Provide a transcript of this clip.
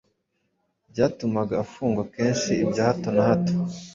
byatumaga afungwa kenshi bya hato na hato